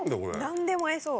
何でも合いそう。